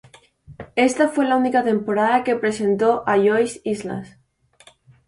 Está fue la única temporada que presentó a Joyce Islas.